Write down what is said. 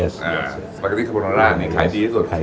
สปาเกตี้คาร์โบนาร่านี่ขายดีที่สุด